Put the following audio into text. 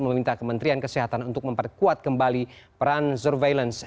meminta kementerian kesehatan untuk memperkuat kembali peran surveillance